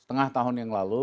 setengah tahun yang lalu